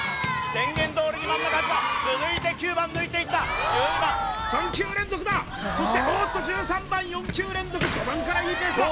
宣言どおりに真ん中８番続いて９番抜いていった１２番３球連続だそしておっと１３番４球連続序盤からいいペースだ